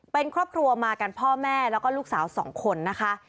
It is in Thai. เป็นครอบครัวมากันพ่อแม่แล้วก็ลูกสาวสองคนนะคะ